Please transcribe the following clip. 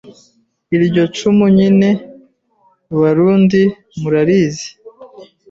Iryo cumu nyine Barundi murarizi